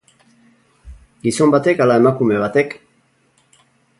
Gizon batek ala emakume batek?